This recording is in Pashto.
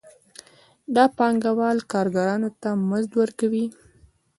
دا پانګوال کارګرانو ته مزد ورکوي